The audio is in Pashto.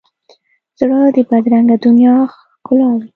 زړه د بدرنګه دنیا ښکلاوي.